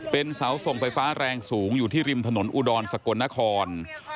เป็นเสาส่งไฟฟ้าแรงสูงอยู่ที่ริมถนนอุดรสกลนคร